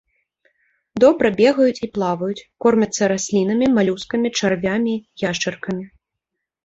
Добра бегаюць і плаваюць, кормяцца раслінамі, малюскамі, чарвямі, яшчаркамі.